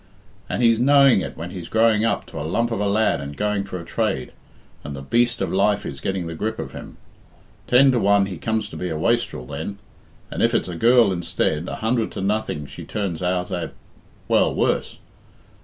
And he's knowing it when he's growing up to a lump of a lad and going for a trade, and the beast of life is getting the grip of him. Ten to one he comes to be a waistrel then, and, if it's a girl instead, a hundred to nothing she turns out a well, worse.